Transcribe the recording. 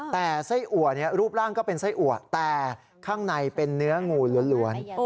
แต่ไส้อัวรูปร่างก็เป็นไส้อัวแต่ข้างในเป็นเนื้องูล้วน